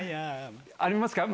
ありますか？